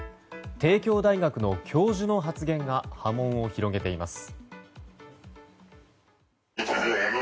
帝京大学の教授の発言が波紋を広げています。